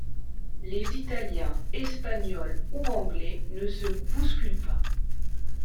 Les Italiens, Espagnols ou Anglais ne se bousculent pas.